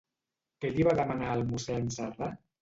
Què li va demanar al mossèn Sardà?